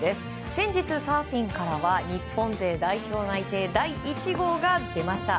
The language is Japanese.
先日、サーフィンからは日本勢代表内定第１号が出ました。